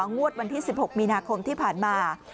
งวดวันที่๑๖มีนาคมที่ผ่านมา